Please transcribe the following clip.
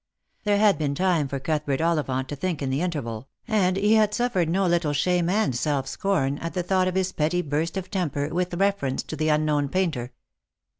There had been time for Cuthbert Ollivant to think in the interval, and he had suf fered no little shame and self scorn at the thought of his petty burst of temper with reference to the unknown painter.